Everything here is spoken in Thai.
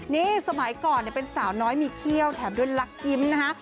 นี่สมัยก่อนเป็นสาวน้อยมีเขี้ยวแถมด้วยลักยิ้มนะฮะ